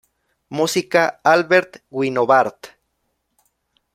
Música: Albert Guinovart.